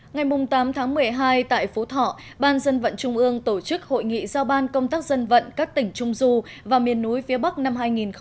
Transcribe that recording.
ngày tám tháng một mươi hai tại phú thọ ban dân vận trung ương tổ chức hội nghị giao ban công tác dân vận các tỉnh trung du và miền núi phía bắc năm hai nghìn một mươi chín